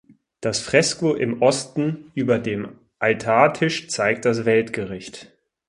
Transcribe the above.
Das Fresko im Osten über dem Altartisch zeigt das Weltgericht.